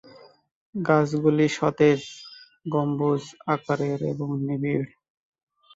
গাছগুলি সতেজ, গম্বুজ আকারের এবং নিবিড়।